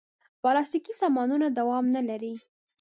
پلاستيکي سامانونه دوام نه لري.